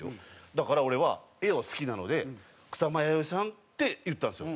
だから俺は絵を好きなので「草間彌生さん」って言ったんですよ。